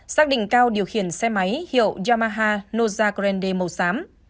xác định cao điều khiển xe máy hiệu yamaha nozakrende màu xám